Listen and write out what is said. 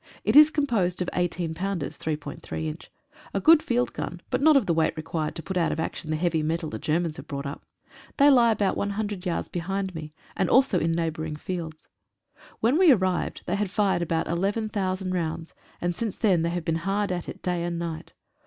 It is composed of 18 pounders (3.3 inch) — a good field gun, but not of the weight required to put out of action the heavy metal the Germans have brought up. They lie about one hundred yards behind me, and also in neighbouring fields. When we arrived they had fired about eleven thousand rounds, and since then they have been hard at it day and night.